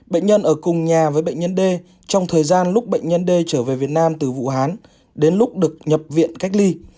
bệnh nhân ở cùng nhà với bệnh nhân d trong thời gian lúc bệnh nhân d trở về việt nam từ vũ hán đến lúc được nhập viện cách ly